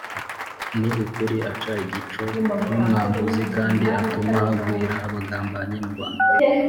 ni ukuri aca igico nk’umwambuzi, kandi atuma hagwira abagambanyi mu bantu